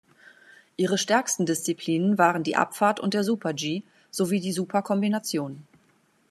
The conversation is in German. Ihre stärksten Disziplinen waren die Abfahrt und der Super-G sowie die Super-Kombination.